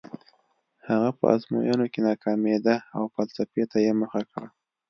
هغه په ازموینو کې ناکامېده او فلسفې ته یې مخه کړه